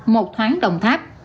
một thoáng đồng tháp